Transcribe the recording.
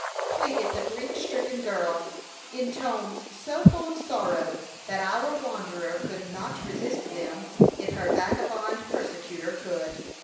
pleaded the grief stricken girl, in tones so full of sorrow that our wanderer could not resist them, if her vagabond persecutor could.